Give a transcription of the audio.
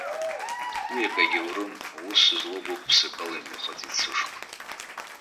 Уи акгьы аурым, аус злоу, гәык-ԥсыкала имҩахыҵит сышҟа.